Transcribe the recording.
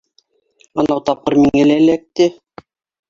Анау тапҡыр миңә лә эләкте.